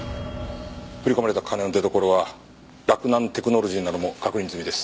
振り込まれた金の出どころは洛南テクノロジーなのも確認済みです。